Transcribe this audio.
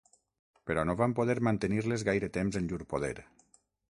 Però no van poder mantenir-les gaire temps en llur poder.